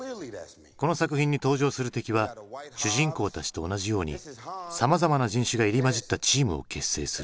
この作品に登場する敵は主人公たちと同じようにさまざまな人種が入り交じったチームを結成する。